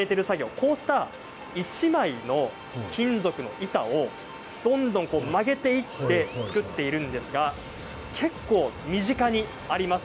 こうした１枚の金属の板をどんどん曲げていって作っているんですが結構身近にあります